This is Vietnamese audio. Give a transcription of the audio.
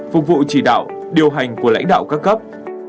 phục vụ chỉ đạo điều hành của lãnh đạo các cấp